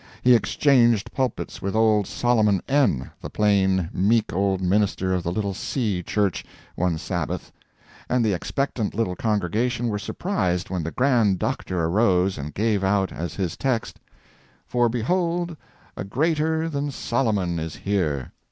He exchanged pulpits with old Solomon N., the plain, meek old minister of the little C. Church, one Sabbath; and the expectant little congregation were surprised when the grand Dr. arose and gave out as his text: "For behold a greater than Solomon is here!"